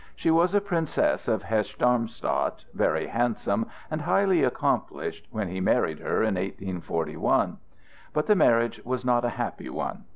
She was a princess of Hesse Darmstadt, very handsome and highly accomplished when he married her, in 1841. But the marriage was not a happy one.